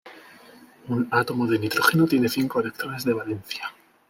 Un átomo de nitrógeno tiene cinco electrones de valencia.